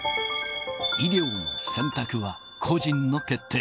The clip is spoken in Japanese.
医療の選択は個人の決定。